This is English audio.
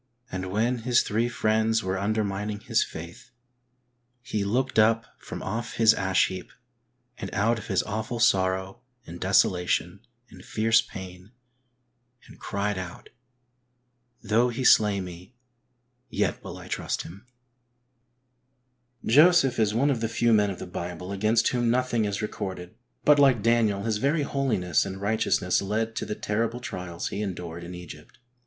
And when his three friends were undermining his faith, he looked up from off his ash heap, and out of his awful sorrow^ and desolation, and fierce pain, and cried out, "Though He slay me yet will I trust Him." 10 HEART TALKS ON HOLINESS. Joseph is one of the few men in the Bible against whom nothing is recorded, but like Daniel his very holiness and righteousness led to the terrible trials he endured in Egypt.